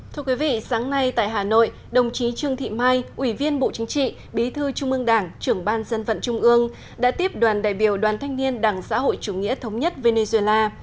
thưa quý vị sáng nay tại hà nội đồng chí trương thị mai ủy viên bộ chính trị bí thư trung ương đảng trưởng ban dân vận trung ương đã tiếp đoàn đại biểu đoàn thanh niên đảng xã hội chủ nghĩa thống nhất venezuela